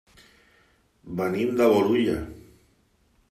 Venim de Bolulla.